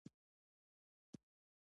ژوند د ساده ژوند په کولو سره ارام وي.